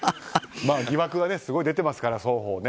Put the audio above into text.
疑惑はすごい出てますから双方ね。